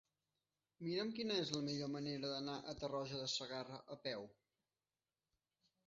Mira'm quina és la millor manera d'anar a Tarroja de Segarra a peu.